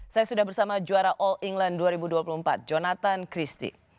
saya sudah bersama juara all england dua ribu dua puluh empat jonathan christie